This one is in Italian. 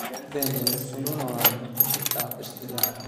Venne nel suo nono anno in città per studiare.